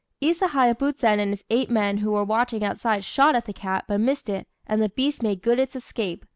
Isahaya Buzen and his eight men who were watching outside shot at the cat, but missed it, and the beast made good its escape.